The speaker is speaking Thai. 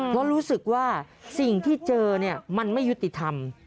เพราะรู้สึกว่าสิ่งที่เจอมันไม่ยุติธรรม